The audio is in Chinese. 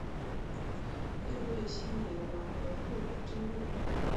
曷为先言王而后言正月？